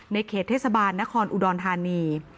เขตเทศบาลนครอุดรธานี